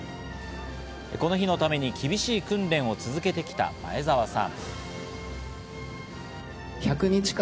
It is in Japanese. この日のために厳しい訓練を続けてきた前澤さん。